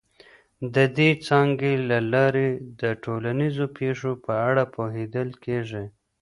د دې څانګې له لاري د ټولنیزو پیښو په اړه پوهیدل کیږي.